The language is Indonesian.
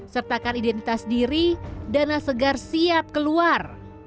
sertakan identitas diri dana segar siap keluar